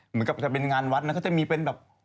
เหมือนกับจะเป็นงานวัดนะเขาจะมีเป็นแบบ